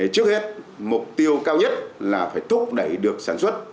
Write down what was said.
trước hết mục tiêu cao nhất là phải thúc đẩy được sản xuất